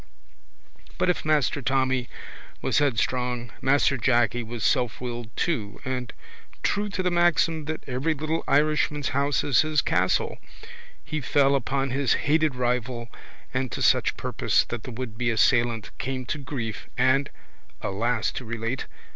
But if Master Tommy was headstrong Master Jacky was selfwilled too and, true to the maxim that every little Irishman's house is his castle, he fell upon his hated rival and to such purpose that the wouldbe assailant came to grief and (alas to relate!)